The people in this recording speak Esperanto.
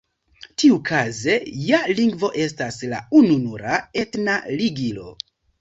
Tiukaze ja lingvo estas la ununura etna ligilo.